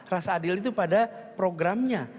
rasa adil itu pada programnya